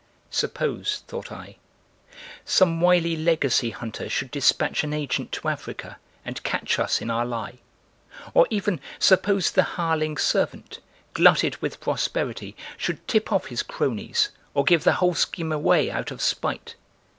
"Suppose," thought I, "some wily legacy hunter should dispatch an agent to Africa and catch us in our lie? Or even suppose the hireling servant, glutted with prosperity, should tip off his cronies or give the whole scheme away out of spite?